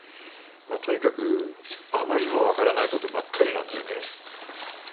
とにかくあまりにもわからないことばかりなのでね。